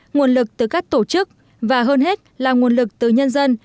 nguồn lực từ các tổ chức và hơn hết là nguồn lực từ nhân dân